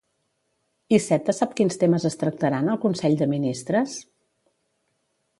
Iceta sap quins temes es tractaran al consell de ministres?